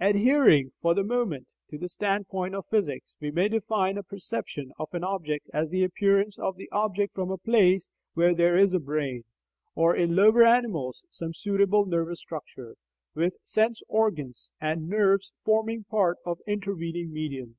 Adhering, for the moment, to the standpoint of physics, we may define a "perception" of an object as the appearance of the object from a place where there is a brain (or, in lower animals, some suitable nervous structure), with sense organs and nerves forming part of the intervening medium.